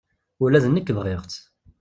Ula d nekk bɣiɣ-tt.